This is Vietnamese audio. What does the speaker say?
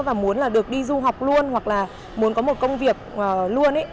và muốn là được đi du học luôn hoặc là muốn có một công việc luôn